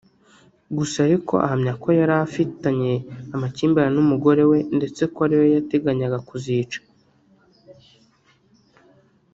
Gusa ariko ahamya ko yari afitanye amakimbirane n’umugore we ndetse ko ariwe yateganyaga kuzica